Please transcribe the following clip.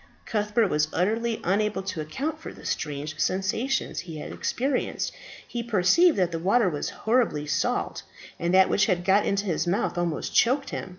Cuthbert was utterly unable to account for the strange sensations he had experienced; he perceived that the water was horribly salt, and that which had got into his mouth almost choked him.